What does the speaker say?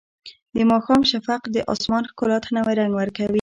د ماښام شفق د اسمان ښکلا ته نوی رنګ ورکوي.